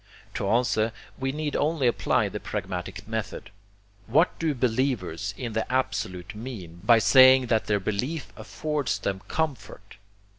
To answer, we need only apply the pragmatic method. What do believers in the Absolute mean by saying that their belief affords them comfort?